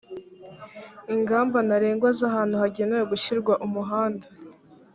ingamba ntarengwa z ahantu hagenewe gushyirwa umuhanda